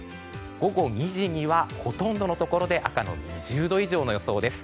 午後２時にはほとんどのところで赤の２０度以上の予想です。